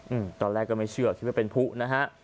อืมตอนแรกก็ไม่เชื่อคิดว่าเป็นผู้นะฮะ